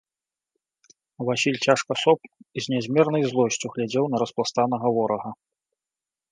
Васіль цяжка соп і з нязмернаю злосцю глядзеў на распластанага ворага.